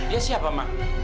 dia siapa ma